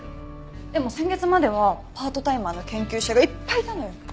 でも先月まではパートタイマーの研究者がいっぱいいたのよ。